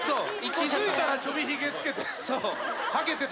気付いたらちょびひげつけてはげてた。